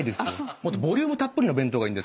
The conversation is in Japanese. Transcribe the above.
もっとボリュームたっぷりの弁当がいい。